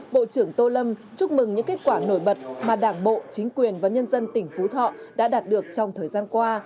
bộ trưởng tô lâm chúc mừng những kết quả nổi bật mà đảng bộ chính quyền và nhân dân tỉnh phú thọ đã đạt được trong thời gian qua